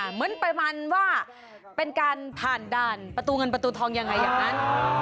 เหมือนประมาณว่าเป็นการผ่านด่านประตูเงินประตูทองยังไงอย่างนั้น